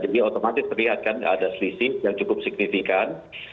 jadi otomatis terlihat kan ada selisih yang cukup signifikan